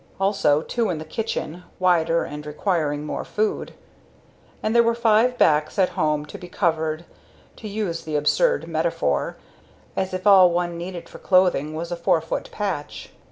Also two in the kitchen, wider, and requiring more food. And there were five backs at home to be covered, to use the absurd metaphor as if all one needed for clothing was a four foot patch.